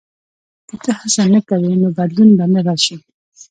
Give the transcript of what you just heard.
• که ته هڅه نه کوې، نو بدلون به نه راشي.